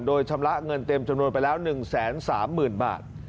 โดยชำระเงินเต็มจำนวนไปแล้ว๑๓๐๐๐บาท